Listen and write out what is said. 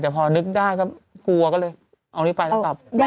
แต่พอนึกได้ก็กลัวก็เลยเอานี้ไปแล้วกลับ